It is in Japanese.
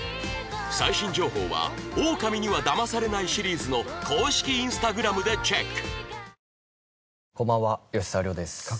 最新情報は『オオカミには騙されない』シリーズの公式インスタグラムでチェック！